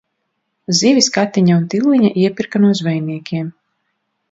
Zivis Katiņa un Tilliņa iepirka no zvejniekiem.